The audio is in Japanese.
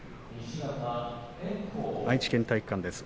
愛知県体育館です。